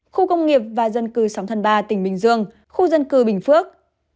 khu công nghiệp và dân cư sóng thần ba tỉnh bình dương khu dân cư bình phước